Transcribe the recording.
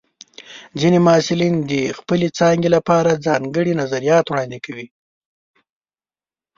ځینې محصلین د خپلې څانګې لپاره ځانګړي نظریات وړاندې کوي.